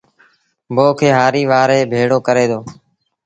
بوه کي هآريٚ وآري ڀيڙو ڪري دو